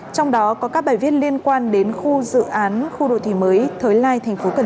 trong đó có các bài viết liên quan đến khu dự án khu đô thị mới thới lai tp cn